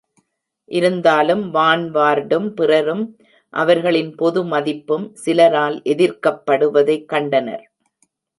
இருந்தாலும், வான் வார்டும் பிறரும் அவர்களின் பொதுமதிப்பும் சிலரால் எதிர்க்கப்படுவதை கண்டனர்.